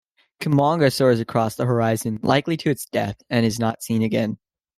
Kumonga soars across the horizon, likely to its death, and is not seen again.